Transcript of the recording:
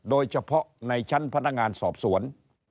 โดยเฉพาะในชั้นพนักงานสอบสวน